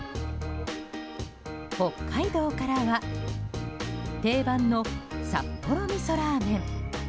北海道からは定番の札幌味噌ラーメン。